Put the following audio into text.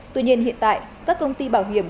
tuy nhiên hiện tại các công ty bảo hiểm